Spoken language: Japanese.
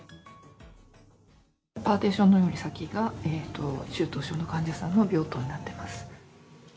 パーティションより先が、中等症の患者さんの病棟になっています。